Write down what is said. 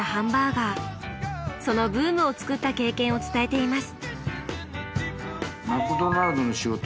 そのブームをつくった経験を伝えています。